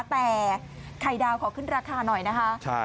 แต่ไข่ดาวขอขึ้นราคาหน่อยนะคะ